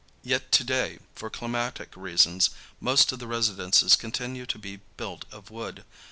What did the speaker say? Yet to day, for climatic reasons, most of the residences continue to be built of wood.